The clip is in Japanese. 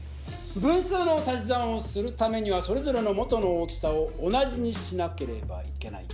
分数の足し算をするためにはそれぞれの元の大きさを同じにしなければいけない。